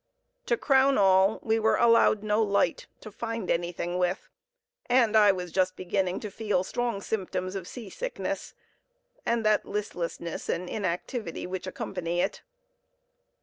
To crown all, we were allowed no light to find anything with, and I was just beginning to feel strong symptoms of sea sickness, and that listlessness and inactivity which accompany it.